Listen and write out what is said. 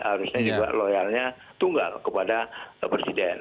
harusnya juga loyalnya tunggal kepada presiden